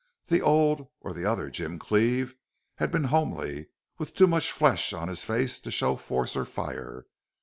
The old, or the other, Jim Cleve had been homely, with too much flesh on his face to show force or fire.